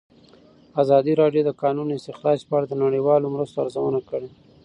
ازادي راډیو د د کانونو استخراج په اړه د نړیوالو مرستو ارزونه کړې.